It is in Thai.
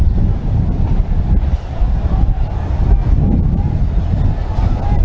เมื่อเวลาอันดับสุดท้ายมันกลายเป็นภูมิที่สุดท้าย